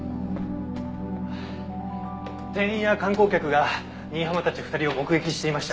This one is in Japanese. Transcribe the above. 店員や観光客が新浜たち２人を目撃していました。